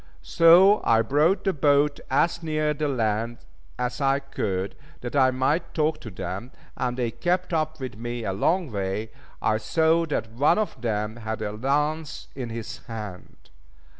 So I brought the boat as near the land as I could, that I might talk to them, and they kept up with me a long way. I saw that one of them had a lance in his hand.